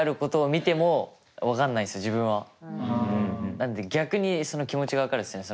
なので逆にその気持ちが分かるんすよね